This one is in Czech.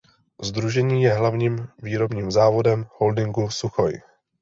Sdružení je hlavním výrobním závodem holdingu Suchoj.